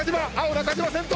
中島先頭！